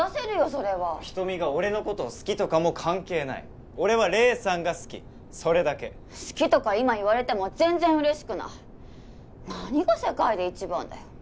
それはひとみが俺のことを好きとかも関係ない俺は黎さんが好きそれだけ好きとか今言われても全然嬉しくない何が世界で一番だよ